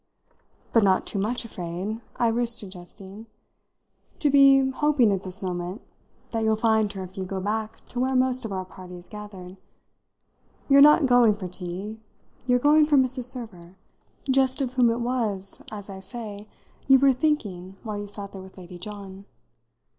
"But not too much afraid," I risked suggesting, "to be hoping at this moment that you'll find her if you go back to where most of our party is gathered. You're not going for tea you're going for Mrs. Server: just of whom it was, as I say, you were thinking while you sat there with Lady John.